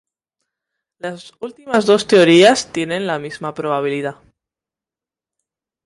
Las últimas dos teorías tienen la misma probabilidad.